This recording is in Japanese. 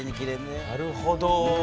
なるほど。